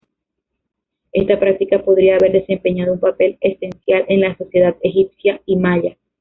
Esta práctica podría haber desempeñado un papel esencial en las sociedades egipcia y maya.